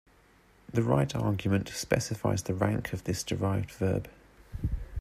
The right argument specifies the rank of this derived verb.